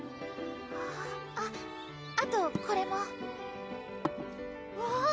あっあとこれもわっ！